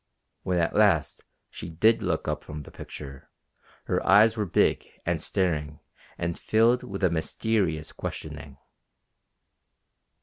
When at last she did look up from the picture her eyes were big and staring and filled with a mysterious questioning.